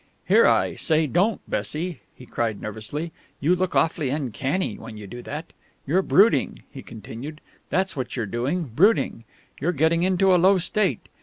"Here, I say, don't, Bessie!" he cried nervously. "You look awfully uncanny when you do that! You're brooding," he continued, "that's what you're doing, brooding. You're getting into a low state.